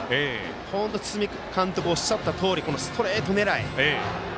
本当に堤監督がおっしゃったとおりこのストレート狙い。